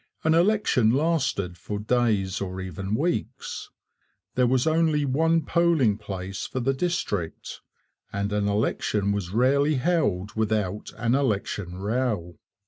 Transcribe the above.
An election lasted for days or even weeks. There was only one polling place for the district, and an election was rarely held without an election row.